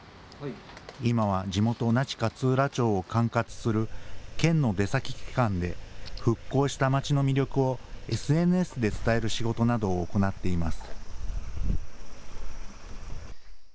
今は地元、那智勝浦町を管轄する県の出先機関で、復興した町の魅力を、ＳＮＳで伝える仕事などを行っています。